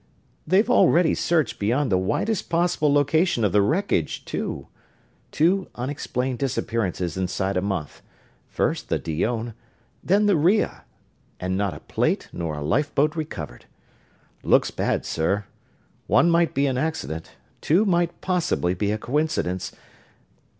"They've already searched beyond the widest possible location of the wreckage, too. Two unexplained disappearances inside a month first the Dione, then the Rhea and not a plate nor a lifeboat recovered. Looks bad, sir. One might be an accident; two might possibly be a coincidence...."